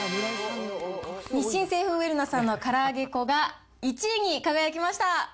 日清製粉ウェルナさんのから揚げ粉が１位に輝きました。